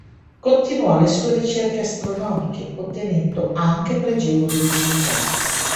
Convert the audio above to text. Continuò le sue ricerche astronomiche, ottenendo anche pregevoli risultati.